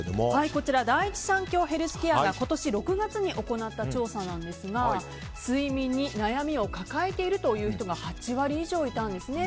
こちら第一三共ヘルスケアが今年６月に行った調査なんですが睡眠に悩みを抱えているという人８割以上いたんですね。